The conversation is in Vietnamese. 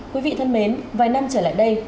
quý vị thân mến vài năm trở lại đây